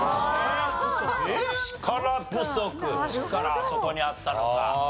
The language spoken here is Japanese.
あそこにあったのか。